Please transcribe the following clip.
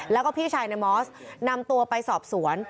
แล้วก็พี่ชายในมอสนำตัวไปสอบสวน